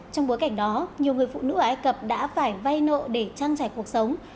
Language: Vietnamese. trong bối cảnh đó nhiều người phụ nữ ở ai cập đã phải vay nợ để trang trải cuộc sống